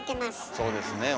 そうですね。